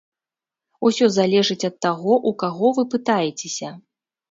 Усё залежыць ад таго, у каго вы пытаецеся.